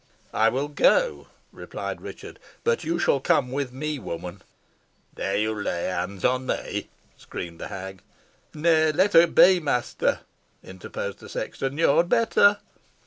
"I will go," replied Richard "but you shall come with me, old woman." "Dare you lay hands on me?" screamed the hag. "Nay, let her be, mester," interposed the sexton, "yo had better."